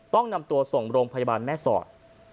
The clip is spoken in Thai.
ต้องนำตัวส่งโรงพยาบาลแม่สอด